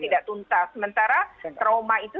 tidak tuntas sementara trauma itu